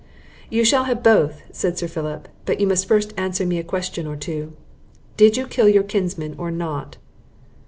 "You shall have both," said Sir Philip; "but you must first answer me a question or two. Did you kill your kinsman or not?"